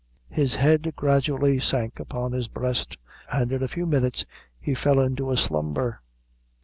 His head gradually sank upon his breast, and in a few minutes he fell into a slumber.